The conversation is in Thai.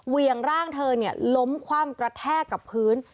เวียงร่างเธอล้มคว่ำกระแทกกับพื้น